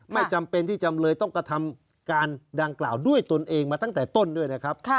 ไม่จำเป็นที่จำเลยต้องกระทำการดังกล่าวด้วยตนเองมาตั้งแต่ต้นด้วยนะครับ